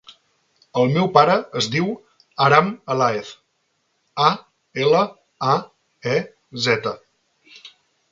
El meu pare es diu Aram Alaez: a, ela, a, e, zeta.